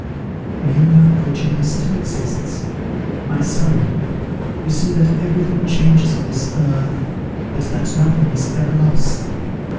"Meanwhile Virginia still exists. My son, you see that every thing changes on this earth, but that nothing is ever lost.